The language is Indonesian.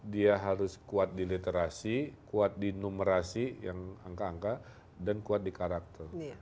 dia harus kuat di literasi kuat di numerasi yang angka angka dan kuat di karakter